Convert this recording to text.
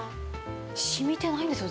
しみてないんですよ